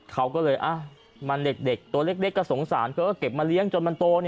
เขาก็เลยมันเด็กตัวเล็กก็สงสารเขาก็เก็บมาเลี้ยงจนมันโต